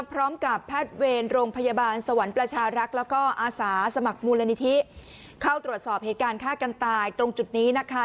พร้อมกับแพทย์เวรโรงพยาบาลสวรรค์ประชารักษ์แล้วก็อาสาสมัครมูลนิธิเข้าตรวจสอบเหตุการณ์ฆ่ากันตายตรงจุดนี้นะคะ